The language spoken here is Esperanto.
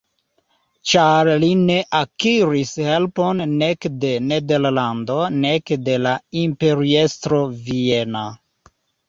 Ĉar li ne akiris helpon nek de Nederlando nek de la imperiestro viena.